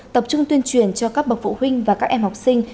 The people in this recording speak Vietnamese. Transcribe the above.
tập trung tuyên truyền cho các bậc phụ huynh và các em học sinh